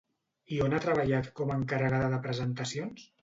I on ha treballat com a encarregada de presentacions?